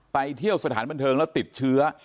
ไปเที่ยวสถานบันเทิงแล้วติดเชื้อ